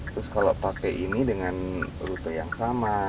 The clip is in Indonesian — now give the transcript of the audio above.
terus kalau pakai ini dengan rute yang sama